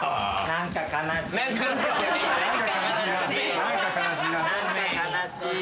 何か悲しい。